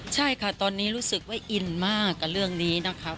ใช่ค่ะตอนนี้รู้สึกว่าอินมากกับเรื่องนี้นะครับ